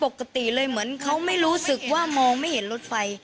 ปกติเลยเหมือนเขาไม่รู้สึกว่ามองไม่เห็นรถไฟ